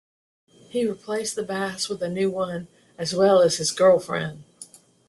He replaced the bass with a new one, as well as his girlfriend.